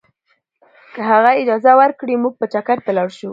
که هغه اجازه ورکړي، موږ به چکر ته لاړ شو.